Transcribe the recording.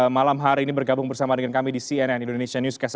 malam hari ini bergabung bersama dengan kami di cnn indonesia newscast